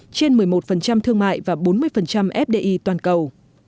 trên một mươi một thương mại và bốn mươi fdi toàn cầu